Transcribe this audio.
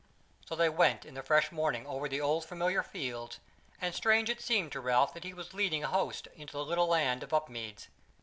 So they went in the fresh morning over the old familiar fields, and strange it seemed to Ralph that he was leading an host into the little land of Upmeads.